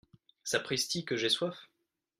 Sapristi, que j’ai soif !